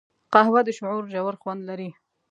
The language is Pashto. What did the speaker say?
قهوه د شعور ژور خوند لري